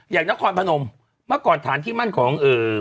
อย่างนครพนมเมื่อก่อนฐานที่มั่นของ